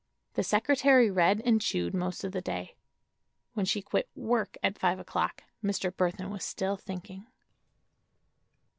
The secretary read and chewed most of the day. When she quit "work" at five o'clock, Mr. Burthon was still thinking.